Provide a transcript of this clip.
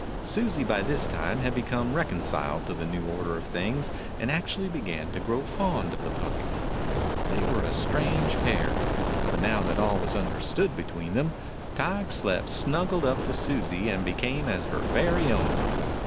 Susie by this time had become reconciled to the new order of things and actually began to grow fond of the puppy. They were a strange pair, but now that all was understood between them, Tige slept snuggled up to Susie and became as her very own.